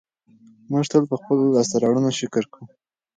موږ تل په خپلو لاسته راوړنو شکر کوو.